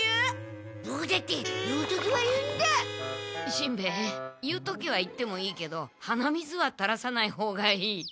しんべヱ言う時は言ってもいいけど鼻水はたらさないほうがいい。